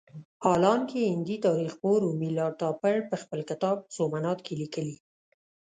حالانکه هندي تاریخ پوه رومیلا تاپړ په خپل کتاب سومنات کې لیکلي.